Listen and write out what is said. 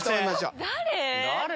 誰？